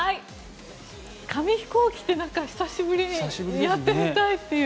紙ヒコーキって久しぶりにやってみたい。